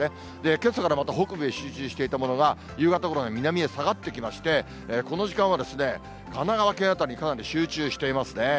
けさからまた北部で集中していたものが、夕方ごろに南へ下がってきまして、この時間はですね、神奈川県辺り、かなり集中していますね。